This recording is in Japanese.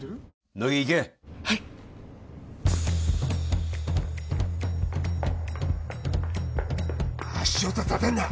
乃木行けはい足音立てんな